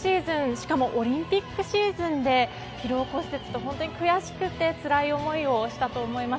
しかもオリンピックシーズンで疲労骨折と本当に悔しくてつらい思いをしたと思います。